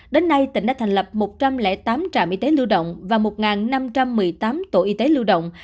đến nay tỉnh đã thành lập một trăm linh tám trạm y tế lưu động và một năm trăm một mươi tám tổ y tế lưu động